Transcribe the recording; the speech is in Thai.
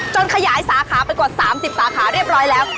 ขยายสาขาไปกว่า๓๐สาขาเรียบร้อยแล้ว